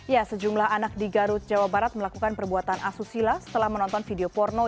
ya sejumlah anak di garut jawa barat melakukan perbuatan asusila setelah menonton video porno